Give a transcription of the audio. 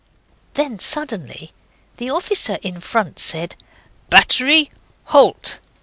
Then suddenly the officer in front said, 'Battery! Halt!